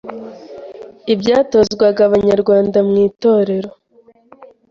Ibyatozwaga Abanyarwanda mu Itorero